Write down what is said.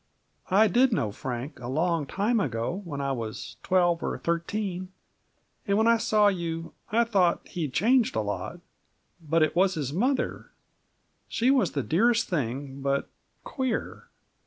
I did know Frank, a long time ago, when I was twelve or thirteen, and when I saw you, I thought he'd changed a lot. But it was his mother; she was the dearest thing, but queer.